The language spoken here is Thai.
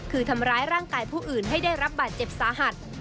คือทำร้ายร่างกายผู้อื่นให้ได้รับบาดเจ็บสาหัส